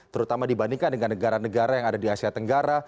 terutama dibandingkan dengan negara negara yang ada di asia tenggara